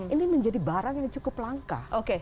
ini menjadi barang yang cukup langka